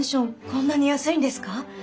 こんなに安いんですか？